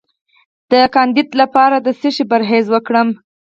د کاندیدا لپاره د څه شي پرهیز وکړم؟